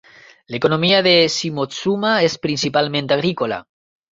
L'economia de Shimotsuma és principalment agrícola.